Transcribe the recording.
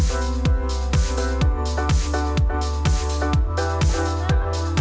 สุนัขก็จะยังเป็นความจำเป็นแค่กลัว